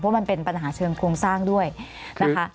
มันเป็นปัญหาเชิงโครงสร้างด้วยนะคะ